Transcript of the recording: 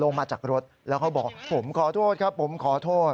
ลงมาจากรถแล้วเขาบอกผมขอโทษครับผมขอโทษ